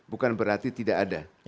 bukan berarti tidak ada